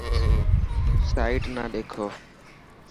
سائيٽ نا ڏيکو.